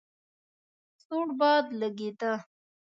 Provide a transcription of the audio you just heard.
سوړ باد لګېده.